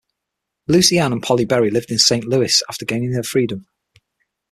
Lucy Ann and Polly Berry lived in Saint Louis after gaining her freedom.